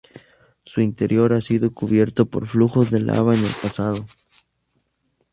Su interior ha sido cubierto por flujos de lava en el pasado.